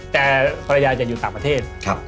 แต่ภรรยาจะอยู่ต่างประเทศ